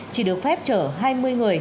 chỉ được phép chở hai mươi người